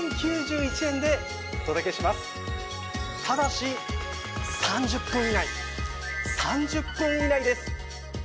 ただし３０分以内３０分以内です。